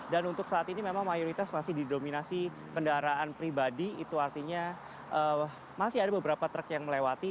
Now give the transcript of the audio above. dan untuk saat ini memang mayoritas masih didominasi kendaraan pribadi itu artinya masih ada beberapa truk yang melewati